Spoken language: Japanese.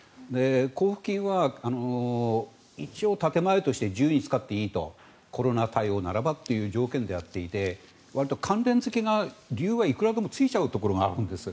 交付金は一応、建前として自由に使っていいとコロナ対応ならばという条件でやっていてわりと関連付けが理由はいくらでもついちゃうところがあるんです。